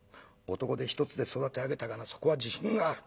男手一つで育て上げたがなそこは自信がある。